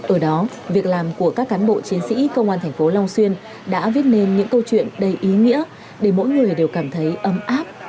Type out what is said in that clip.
ở đó việc làm của các cán bộ chiến sĩ công an thành phố long xuyên đã viết nên những câu chuyện đầy ý nghĩa để mỗi người đều cảm thấy ấm áp